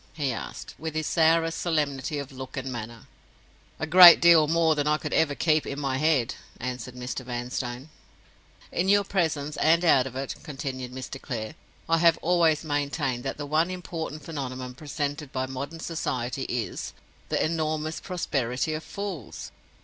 he asked, with his sourest solemnity of look and manner. "A great deal more than I could ever keep in my head," answered Mr. Vanstone. "In your presence and out of it," continued Mr. Clare, "I have always maintained that the one important phenomenon presented by modern society is—the enormous prosperity of Fools.